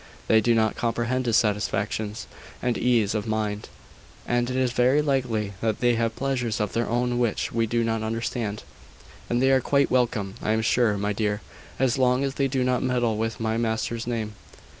They do not comprehend his satisfactions and ease of mind; and it is very likely that they have pleasures of their own which we do not understand." "And they are quite welcome, I am sure, my dear, as long as they do not meddle with my master's name.